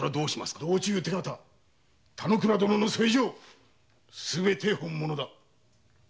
道中手形田之倉殿の添え状すべて本物だ。